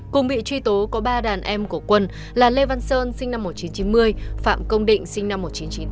cùng bị truy tố có ba đàn em của quân là lê văn sơn sinh năm một nghìn chín trăm chín mươi phạm công định sinh năm một nghìn chín trăm tám mươi